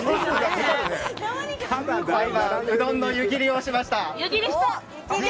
うどんの湯切りをしました。